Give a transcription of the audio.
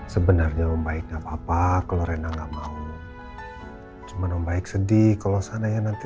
sebenarnya om baiknya papa kalau rena nggak mau cuman om baik sedih kalau sana ya nanti